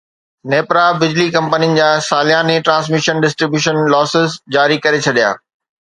نيپرا بجلي ڪمپنين جا سالياني ٽرانسميشن ڊسٽري بيوشن لاسز جاري ڪري ڇڏيا